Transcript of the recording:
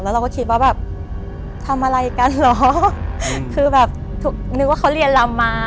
แล้วเราก็คิดว่าแบบทำอะไรกันเหรอคือแบบนึกว่าเขาเรียนลำมา